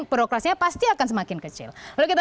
birokrasinya pasti akan semakin kecil lalu kita